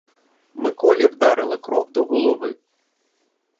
Миколі вдарила кров до голови.